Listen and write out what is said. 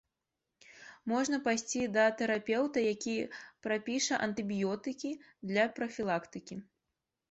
Можна пайсці да тэрапеўта, які прапіша антыбіётыкі для прафілактыкі.